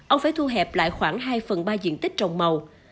ông phải thu hẹp lại khoảng hai phần ba diện tích trồng màu